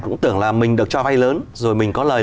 cũng tưởng là mình được cho vay lớn rồi mình có lời